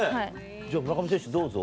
じゃあ村上選手どうぞ。